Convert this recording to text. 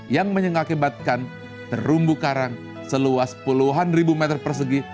yang mengakibatkan terumbu karang seluas puluhan ribu meter persegi